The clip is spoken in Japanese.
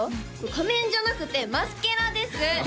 仮面じゃなくてマスケラです！